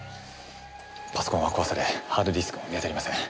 パソコンは壊されハードディスクも見当たりません。